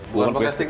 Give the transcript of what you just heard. bukan pakai stick